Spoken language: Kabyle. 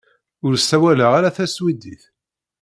Ur ssawaleɣ ara taswidit.